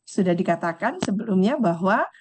sudah dikatakan sebelumnya bahwa